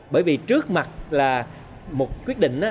bởi vì trước mặt là một quyết định